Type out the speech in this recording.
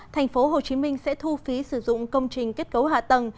tp hcm sẽ thu phí sử dụng công trình kết cấu hạ tầng